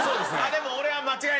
でも俺は間違えない